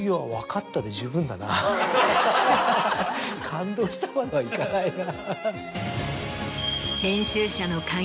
感動したまではいかないな。